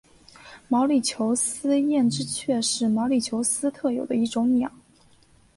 毛里求斯艳织雀是毛里求斯特有的一种鸟。